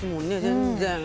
全然。